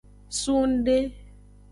Sungde.